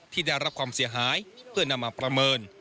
ที่ได้รับความเสียหายเพื่อนำมาประเมิน